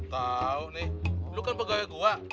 tau nih lu kan pegawai gua